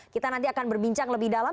kita nanti akan berbincang lebih dalam